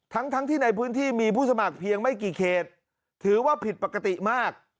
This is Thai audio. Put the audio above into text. ทั้งทั้งที่ในพื้นที่มีผู้สมัครเพียงไม่กี่เขตถือว่าผิดปกติมาก